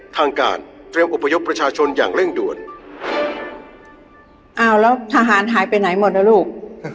ทางการเตรียมอบพยพประชาชนอย่างเร่งด่วนอ้าวแล้วทหารหายไปไหนหมดนะลูก